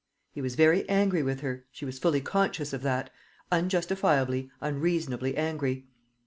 He was very angry with her she was fully conscious of that unjustifiably, unreasonably angry.